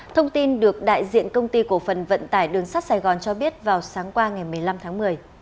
thông tin được đại diện công ty cổ phần vận tải đường sắt sài gòn cho biết vào sáng qua ngày một mươi năm tháng một mươi